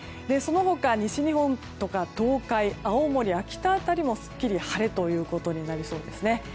その他、西日本とか東海青森、秋田辺りもすっきり晴れということになりそうです。